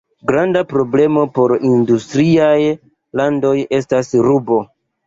Granda problemo por industriaj landoj estas rubo.